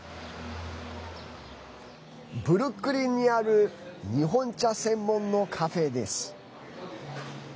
ブルックリンにある日本茶専門のカフェです。